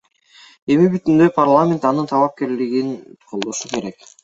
Эми бүтүндөй парламент анын талапкерлигин колдошу керек.